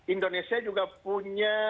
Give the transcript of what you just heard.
indonesia juga punya